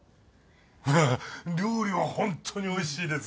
料理はホントにおいしいですよ。